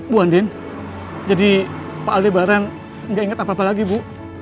bu andien jadi pak aldebaran gak inget apa apa lagi bu